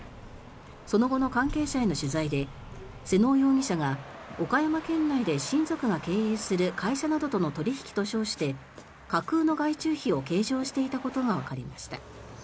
その後の関係者への取材で妹尾容疑者が岡山県内で親族が経営する会社などとの取引と称して架空の外注費を計上していたことがわかりました。